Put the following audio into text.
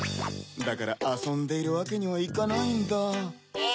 だからあそんでいるわけにはいかないんだ。え！